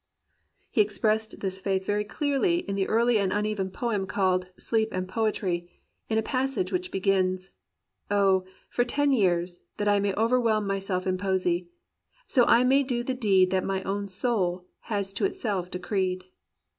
He expressed this faith very clearly in the early and uneven poem called "Sleep and Poetry," in a passage which begins "Oh, for ten years, that I may overwhelm Myself in poesy ! so I may do the deed That my own soul has to itself decreed."